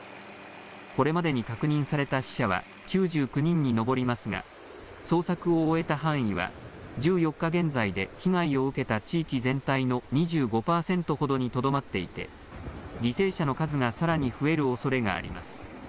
これまでに確認された死者は９９人に上りますが捜索を終えた範囲は１４日現在で被害を受けた地域全体の２５％ほどにとどまっていて犠牲者の数がさらに増えるおそれがあります。